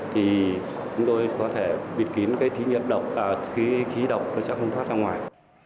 thì chúng tôi có thể bịt kín cái khí độc nó sẽ không thoát ra ngoài